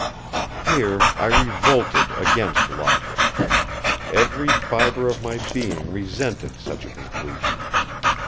Here I revolted against logic. Every fibre of my being resented such a conclusion.